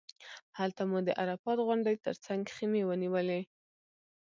هلته مو د عرفات غونډۍ تر څنګ خیمې ونیولې.